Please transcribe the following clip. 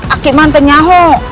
akiman tuh nyawa